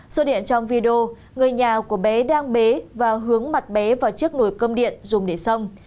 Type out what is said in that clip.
xô điện trong video người nhà của bé đang bế và hướng mặt bé vào chiếc nồi cơm điện dùng để xong